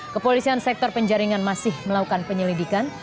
kepolisian sektor penjaringan masih melakukan penyelidikan